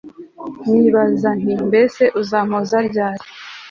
nibaza nti mbese uzampoza ryari